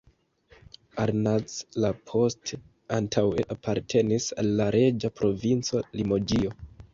Arnac-la-Poste antaŭe apartenis al la reĝa provinco Limoĝio.